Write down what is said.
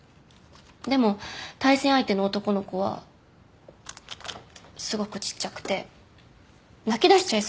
でも対戦相手の男の子はすごくちっちゃくて泣きだしちゃいそうな顔してて。